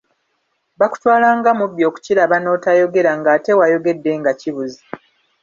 Bakutwala nga mubbi okukiraba n’otayogera, ng’ate wayogedde nga kibuze.